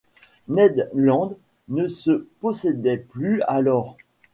Ned Land ne se possédait plus alors.